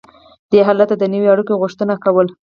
دې حالت د نویو اړیکو غوښتنه کوله.